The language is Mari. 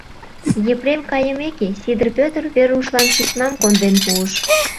Епрем кайымеке, Сидыр Петр Верушлан письмам конден пуыш.